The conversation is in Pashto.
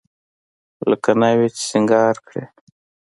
لکه ناوې چې سينګار کړې.